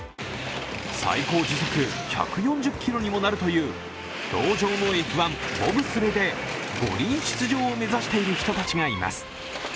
最高時速１４０キロにもなるという氷上のＦ１、ボブスレーで五輪出場を目指している人たちがいます。